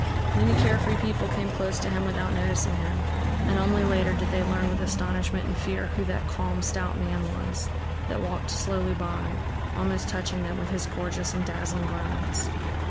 Many carefree people came close to him without noticing him, and only later did they learn with astonishment and fear who that calm stout man was, that walked slowly by, almost touching them with his gorgeous and dazzling garments.